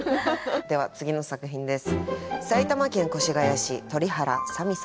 では次の作品です。